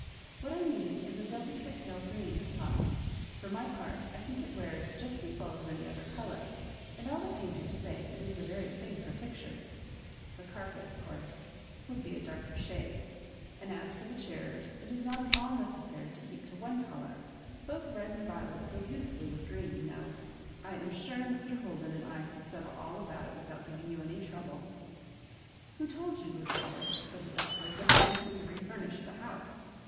What I mean is a delicate pale green, papa. For my X>art, I think it wears just as well as any other colour ; and all the painters say it is the very thing for pictures. The carpet, of course, would be a darker shade ; and as for the chairs, it is not at all necessary to keep to one colour. Both red and violet go beautifully with green, you know. I afls sure, Mr. Holden and I could settle all about it without giving you any trouble." "Who told you, Lucilla," said the Doctor, "that I meant to refurnish the house?"